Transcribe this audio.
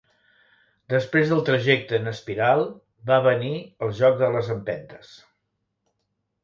Després del trajecte en espiral va venir el joc de les empentes.